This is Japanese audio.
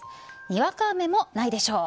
にわか雨もないでしょう。